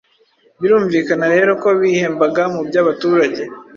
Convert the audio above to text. Birumvikana rero ko bihembaga mu by'abaturage.